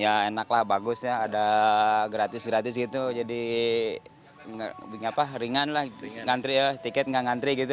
ya enak lah bagus ya ada gratis gratis gitu jadi ringan lah ngantri ya tiket nggak ngantri gitu